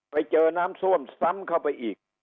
ไปเจอน้ำท่วมซ้ำเข้าไปอีก